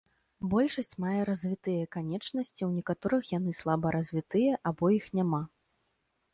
Большасць мае развітыя канечнасці, у некаторых яны слаба развітыя або іх няма.